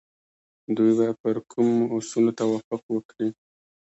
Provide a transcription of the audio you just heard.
دوی به پر کومو اصولو توافق وکړي؟